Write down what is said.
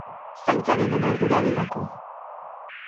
Zaintza denon ardura delako